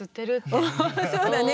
おそうだね。